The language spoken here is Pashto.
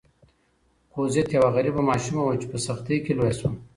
کوزت یوه غریبه ماشومه وه چې په سختۍ کې لویه شوه.